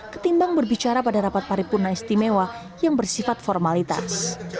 ketimbang berbicara pada rapat paripurna istimewa yang bersifat formalitas